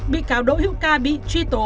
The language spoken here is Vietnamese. bị cáo đội hiệu ca bị truy tố